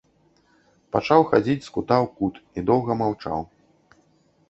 Пачаў хадзіць з кута ў кут і доўга маўчаў.